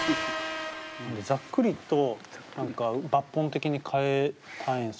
ざっくりと何か抜本的に変えたいんですよね。